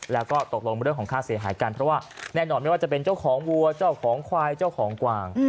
แล้วก็ตกลงเรื่องของค่าเสียหายกันเพราะว่าแน่นอนไม่ว่าจะเป็นเจ้าของวัวเจ้าของควายเจ้าของกวาง